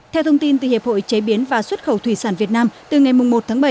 theo thông tin từ hiệp hội chế biến và xuất khẩu thủy sản việt nam từ ngày một tháng bảy